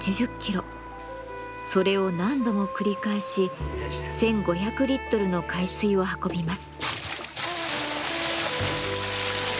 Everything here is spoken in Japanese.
それを何度も繰り返し１，５００リットルの海水を運びます。